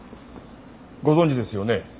ご存じですよね？